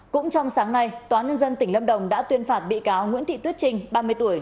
cũng trong sáng nay tòa nhân dân tỉnh lâm đồng đã tuyên phạt bị cáo nguyễn thị tuyết trinh ba mươi tuổi